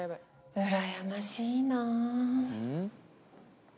うらやましいなぁ。